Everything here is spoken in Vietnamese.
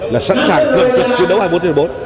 là sẵn sàng cưỡng trực chiến đấu hai mươi bốn h hai mươi bốn